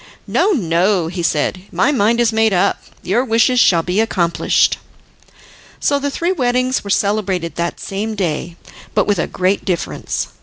"No, no," he said, "my mind is made up. Your wishes shall be accomplished." So the three weddings were celebrated that same day, but with a great difference.